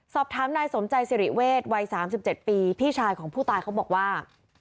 สอบถามนายสมใจสิริเวศวัย๓๗ปีพี่ชายของผู้ตายเขาบอกว่า